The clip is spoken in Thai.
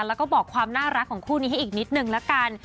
แล้วก็บอกความน่ารักของคู่นี้ให้อีกนิดนึงละกัน